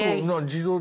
自動で。